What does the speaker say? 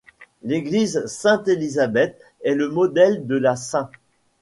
L'église Sainte-Élisabeth est le modèle de la St.